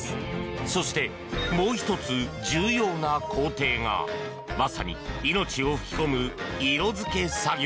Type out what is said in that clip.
そして、もう１つ重要な工程がまさに命を吹き込む色付け作業。